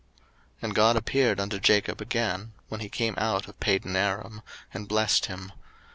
01:035:009 And God appeared unto Jacob again, when he came out of Padanaram, and blessed him.